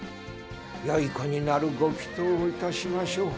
よい子になるご祈とうをいたしましょう。